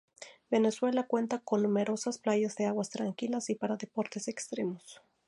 Venezuela cuenta con numerosas playas de aguas tranquilas y para deportes extremos.